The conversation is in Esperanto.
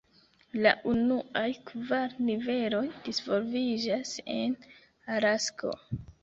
La unuaj kvar niveloj disvolviĝas en Alasko.